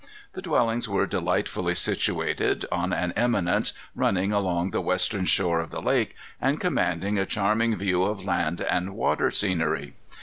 The dwellings were delightfully situated, on an eminence running along the western shore of the lake, and commanding a charming view of land and water scenery.